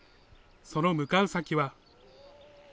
その向かう先は。